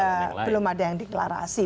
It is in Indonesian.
karena belum ada yang deklarasi